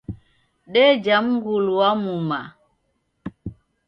Deja mngulu wa muma.